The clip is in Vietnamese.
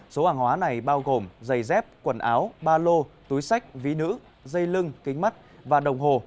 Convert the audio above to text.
số hàng hóa này bao gồm dây dép quần áo ba lô túi sách ví nữ dây lưng kính mắt và đồng hồ